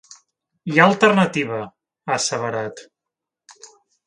“Hi ha alternativa”, ha asseverat.